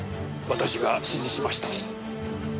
私が指示しました。